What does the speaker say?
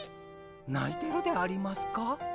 ないてるでありますか？